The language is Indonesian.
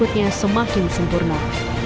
kemampuan berikutnya semakin sempurna